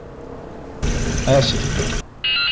آسف...